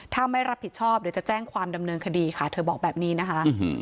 ถ้าไม่รับผิดชอบเดี๋ยวจะแจ้งความดำเนินคดีค่ะเธอบอกแบบนี้นะคะ